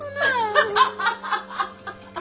アハハッ。